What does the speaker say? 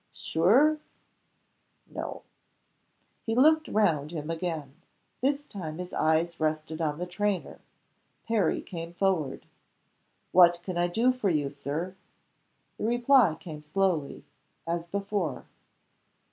"Sure?" "No." He looked round him again. This time his eyes rested on the trainer. Perry came forward. "What can I do for you, Sir?" The reply came slowly as before.